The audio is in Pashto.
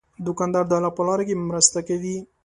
دوکاندار د الله په لاره کې مرسته کوي.